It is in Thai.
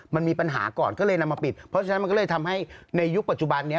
มันมีปัญหาก่อนก็เลยนำมาปิดเพราะฉะนั้นมันก็เลยทำให้ในยุคปัจจุบันนี้